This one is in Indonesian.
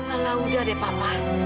alah udah deh papa